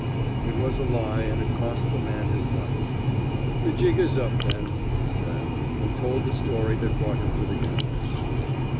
It was a lie, and it cost the man his life. "The jig is up then," he said, and told the story that brought him to the gallows.